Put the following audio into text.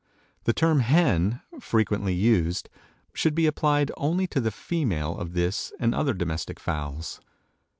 The term hen, frequently used, should be applied only to the female of this and other domestic fowls.